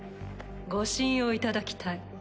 ご信用いただきたい。